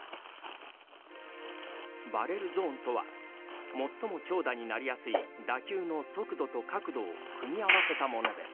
バレルゾーンとは最も長打になりやすい打球の速度と角度を組み合わせたものです。